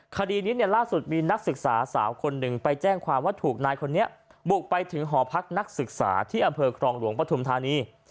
คดีนี้เนี่ยล่าสุดมีนักศึกษาสาวคนหนึ่งไปแจ้งความว่าถูกนายคนนี้บุกไปถึงหอพักนักศึกษาที่อำเภอครองหลวงปฐุมธานี